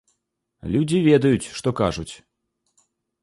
Людзі ведаюць, што кажуць.